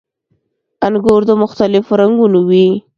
• انګور د مختلفو رنګونو وي.